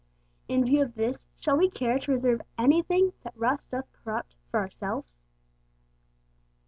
In view of this, shall we care to reserve anything that rust doth corrupt for ourselves?